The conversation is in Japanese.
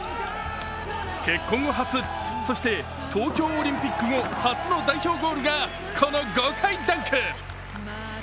結婚後初、そして東京オリンピック後初の初の代表ゴールがこの豪快ダンク。